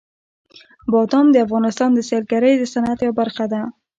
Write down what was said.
بادام د افغانستان د سیلګرۍ د صنعت یوه برخه ده.